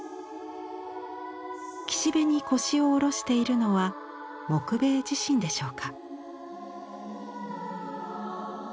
岸辺に腰を下ろしているのは木米自身でしょうか。